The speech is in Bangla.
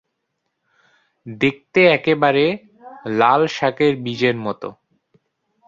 দেখতে একেবারে লাল শাকের বীজের মত।